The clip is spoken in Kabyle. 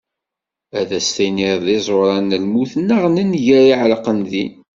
Ad as-tinniḍ d iẓuran n lmut naɣ n nnger i iɛelqen din.